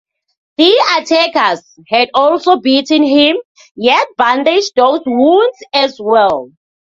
The attackers had also beaten him, yet bandaged those wounds as well.